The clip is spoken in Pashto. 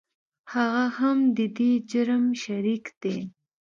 هغه هم د دې جرم شریک دی .